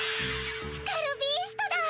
スカルビーストだ！